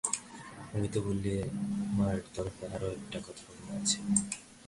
অমিত বললে, আমার তরফে আরো একটু কথা আছে।